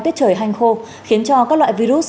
tiết trời hanh khô khiến cho các loại virus